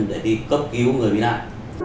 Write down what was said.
để đi cấp cứu người bị nạn